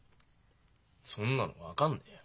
そんなの分かんねえよ。